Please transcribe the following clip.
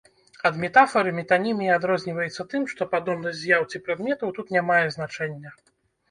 Ад метафары метанімія адрозніваецца тым, што падобнасць з'яў ці прадметаў тут не мае значэння.